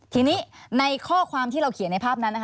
ทีนี้ในข้อความที่เราเขียนในภาพนั้นนะคะ